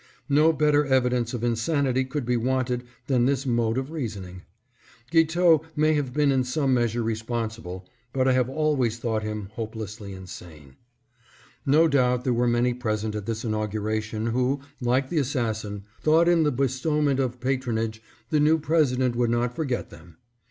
No better evidence of insanity could be wanted than this mode of reasoning. Guiteau may have been in some measure responsible, but I have al ways thought him hopelessly insane. No doubt there were many present at this inaugura tion who, like the assassin, thought that in the bestow 630 THE GREED OF THE OFFICE SEEKERS. ment of patronage, the new President would not forget them.